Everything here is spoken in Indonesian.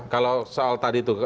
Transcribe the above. kalau soal tadi itu